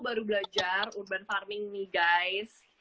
baru belajar urban farming nih guys